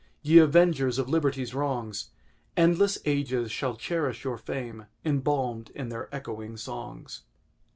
Ye avengers of Liberty's wrongs! Endless ages shall cherish your fame, Embalmed in their echoing songs!